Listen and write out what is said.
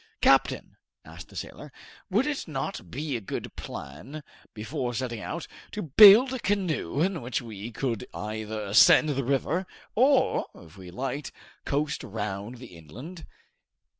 "Captain," asked the sailor, "would it not be a good plan, before setting out, to build a canoe in which we could either ascend the river, or, if we liked, coast round the inland?